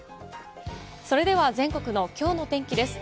それでは、全国のきょうの天気です。